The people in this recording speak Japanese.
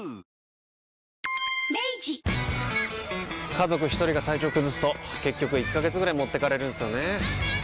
家族一人が体調崩すと結局１ヶ月ぐらい持ってかれるんすよねー。